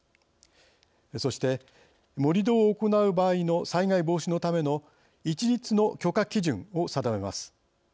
そして、盛り土を行う場合の災害防止のための一律の許可基準を定めます。